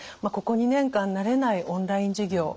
ここ２年間慣れないオンライン授業